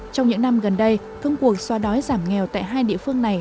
trong những năm gần đây thương cuộc soa đói giảm nghèo tại hai địa phương này